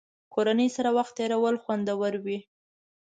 کورنۍ سره وخت تېرول خوندور وي.